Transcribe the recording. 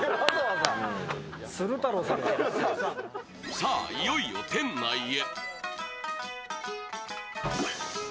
さぁ、いよいよ店内へ。